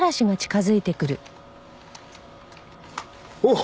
おっ！